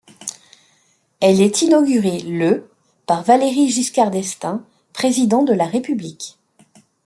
Elle est inaugurée le par Valéry Giscard d'Estaing, président de la République.